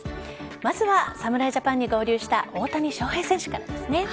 まずは侍ジャパンに合流した大谷翔平選手からですね。